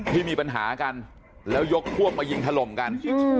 ที่มีปัญหากันแล้วยกพวกมายิงถล่มกัน